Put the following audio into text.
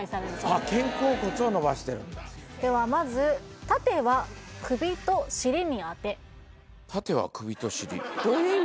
ああ肩甲骨を伸ばしてるんだではまず縦は首と尻どういう意味？